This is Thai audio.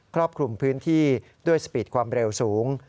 รอบคลุมพื้นที่ด้วยสปีดความเร็วสูง